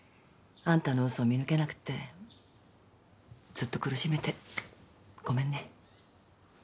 あんたの嘘を見抜けなくってずっと苦しめてごめんね。